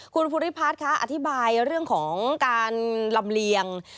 คุณภูริพัฒน์คะอธิบายเรื่องของการลำเลียง